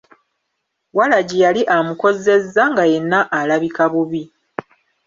Waragi yali amukozezza nga yenna alabika bubi.